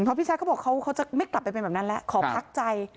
เพราะพี่ชัดเขาบอกเขาจะไม่กลับไปเป็นแบบนั้นแล้วขอพักใจ